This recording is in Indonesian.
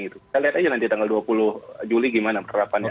kita lihat aja nanti tanggal dua puluh juli gimana penerapannya